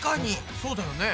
そうだよね。